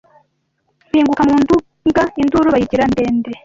Mpinguka mu Ndunga induru bayigira ndende